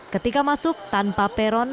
ketika masuk tanpa peron